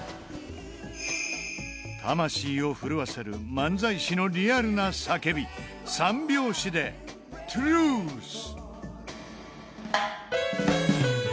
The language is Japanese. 魂を震わせる漫才師のリアルな叫び、三拍子で「Ｔｒｕｔｈ」。